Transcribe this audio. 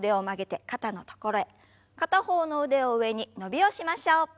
片方の腕を上に伸びをしましょう。